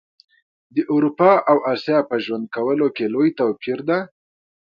د اروپا او اسیا په ژوند کولو کي لوي توپیر ده